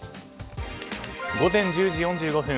午前１０時４５分。